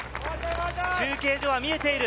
中継所は見えている。